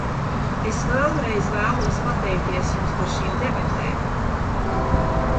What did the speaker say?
Es vēlreiz vēlos pateikties jums par šīm debatēm.